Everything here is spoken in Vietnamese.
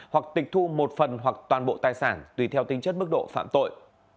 hoặc tịch thu một phần hoặc toàn bộ tài sản tùy theo tính chất mức độ phạm tội